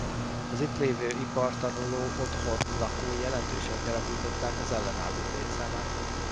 Az itt lévő iparitanuló-otthon lakói jelentősen gyarapították az ellenállók létszámát.